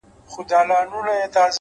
مهرباني بې له لګښته شتمني ده؛